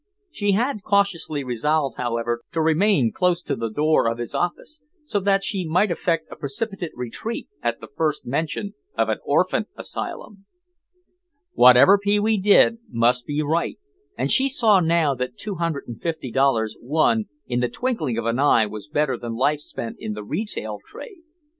She had cautiously resolved, however, to remain close to the door of his office, so that she might effect a precipitate retreat at the first mention of an orphan asylum. Whatever Pee wee did must be right and she saw now that two hundred and fifty dollars won in the twinkling of an eye was better than life spent in the retail trade.